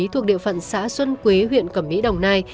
thuộc địa phận xã xuân quế huyện cẩm mỹ đồng nai